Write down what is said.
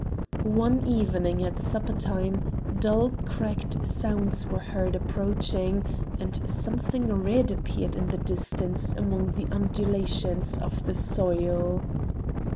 One evening, at supper time, dull cracked sounds were heard approaching, and something red appeared in the distance among the undulations of the soil.